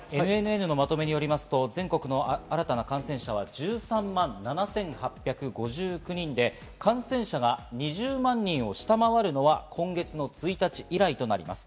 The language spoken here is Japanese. ＮＮＮのまとめによりますと全国の新たな感染者は１３万７８５９人で、感染者が２０万人を下回るのは今月の１日以来となります。